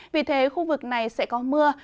vì thế khu vực này sẽ có mưa